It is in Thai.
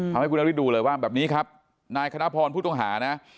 เอาให้คุณนฤทธดูเลยว่าแบบนี้ครับนายคณะพรผู้ต้องหานะ